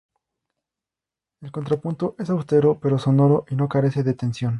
El contrapunto es austero, pero sonoro y no carece de tensión.